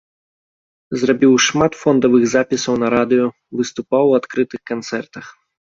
Зрабіў шмат фондавых запісаў на радыё, выступаў у адкрытых канцэртах.